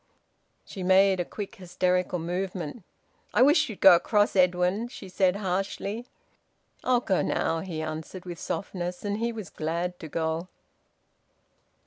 She made a quick hysterical movement. "I wish you'd go across, Edwin," she said harshly. "I'll go now," he answered, with softness. And he was glad to go.